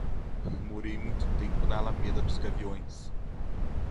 Morei muito tempo na Alameda dos Gaviões.